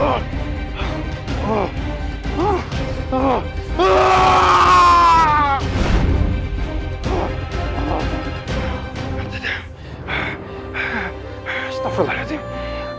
bagaimana damai modif